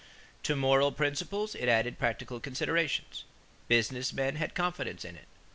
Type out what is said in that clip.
To moral principles it added practical considerations. Business men had confidence in it.